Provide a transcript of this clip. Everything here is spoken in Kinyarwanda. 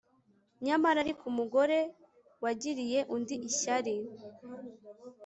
nyamara ariko, umugore wagiriye undi ishyari